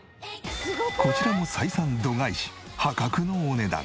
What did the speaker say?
こちらも採算度外視破格のお値段。